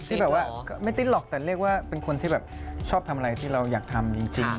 ที่แบบว่าไม่เต้นหรอกแต่เรียกว่าเป็นคนที่แบบชอบทำอะไรที่เราอยากทำจริง